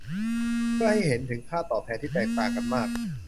เพื่อให้เห็นถึงค่าตอบแทนที่แตกต่างกันมาก